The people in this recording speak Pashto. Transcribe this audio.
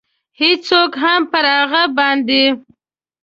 هېڅوک هم پر هغه باندې.